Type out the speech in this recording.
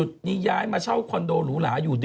พี่ปุ้ยลูกโตแล้ว